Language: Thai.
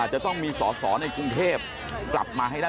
จะต้องมีสอสอในกรุงเทพกลับมาให้ได้